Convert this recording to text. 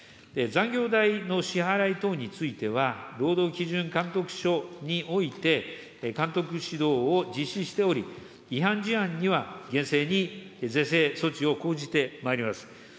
残業代の支払い等については、労働基準監督署において、監督指導を実施しており、違反事案には厳正に是正措置を講じてまいります。